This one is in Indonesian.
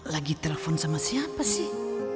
lagi telepon sama siapa sih